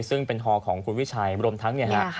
ซึ่งเป็นฮอของคุณวิชัยรวมทั้งเนี่ยฮะ